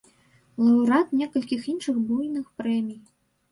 Лаўрэат некалькіх іншых буйных прэмій.